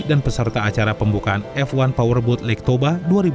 dan peserta acara pembukaan f satu powerboat lake toba dua ribu dua puluh tiga